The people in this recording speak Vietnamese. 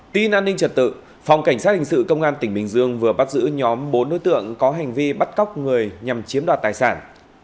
tin an ninh trật tự phòng cảnh sát hình sự công an tỉnh bình dương vừa bắt giữ nhóm bốn đối tượng có hành vi bắt cóc người nhằm chiếm đoạt tài sản